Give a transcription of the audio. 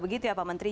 begitu ya pak menteri